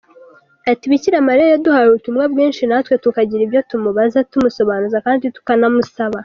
Ati “Bikira Mariya yaduhaye ubutumwa bwinshi natwe tukagira ibyo tumubaza tumusobanuza, kandi tukanamusaba.